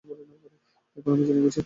এখন আমি জেনে গেছি।